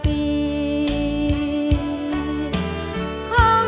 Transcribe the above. จูบลูกหลายเท่าโยม